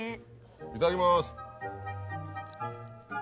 いただきます。